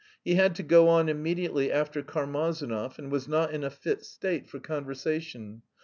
He had to go on immediately after Karmazinov, and was not in a fit state for conversation.